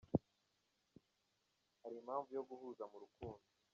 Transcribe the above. Hari impamvu yo guhuza mu rukundo.